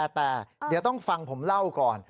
แต่เดี๋ยวต้องฟังผมเล่าก่อน